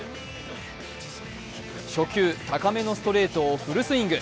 初球高めのストレートをフルスイング。